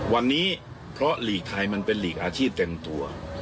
วันนี้เพราะหลีกไทยมันเป็นหลีกอาชีพเต็มตัว